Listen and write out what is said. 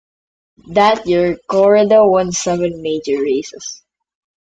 That year, Corrida won seven major races.